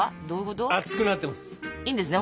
いいんですね